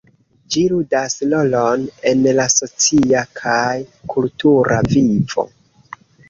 Ĝi ludas rolon en la socia kaj kultura vivo.